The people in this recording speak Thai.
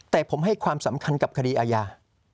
แต่ผมให้ความสำคัญกับคดีอาญา